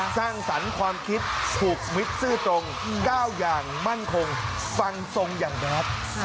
สร้างสรรค์ความคิดถูกมิตรซื่อตรงก้าวอย่างมั่นคงฟังทรงอย่างแดด